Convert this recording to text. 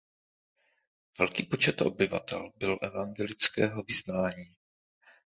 Velký počet obyvatel byl evangelického vyznání.